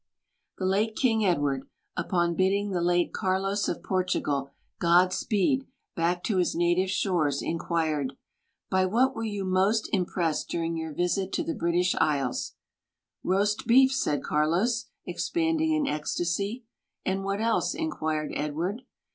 The late King Edward, upon bidding the later Carlos of Portugal God speed back to his native shores, inquired : "By what were you most impressed during your visit to the British Isles?" "Roast beef," said Carlos, expanding in ecstasy. "And what else?" inquired Edward.